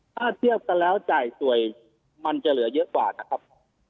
ถ้าเทียบกันแล้วจ่ายสวยมันจะเหลือเยอะกว่านะครับ